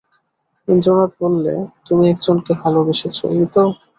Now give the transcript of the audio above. ইন্দ্রনাথ বললে, তুমি একজনকে ভালোবেসেছ, এই তো?